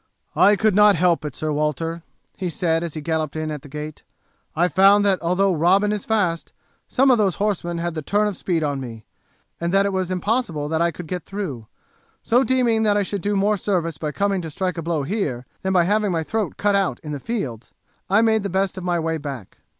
"I could not help it, Sir Walter," he said, as he galloped in at the gate. "I found that although Robin is fast, some of those horsemen had the turn of speed of me, and that it was impossible that I could get through; so deeming that I should do more service by coming to strike a blow here than by having my throat cut out in the fields, I made the best of my way back."